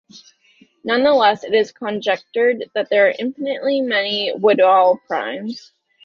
Nonetheless, it is conjectured that there are infinitely many Woodall primes.